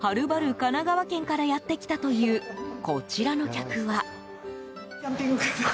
神奈川県からやってきたというこちらの客は。